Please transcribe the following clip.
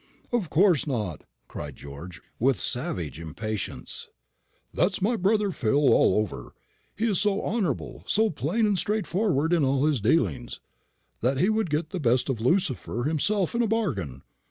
"Of course not," cried George, with savage impatience; "that's my brother Phil all over. He is so honourable, so plain and straightforward in all his dealings, that he would get the best of Lucifer himself in a bargain.